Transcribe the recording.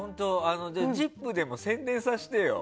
「ＺＩＰ！」でも宣伝させてよ。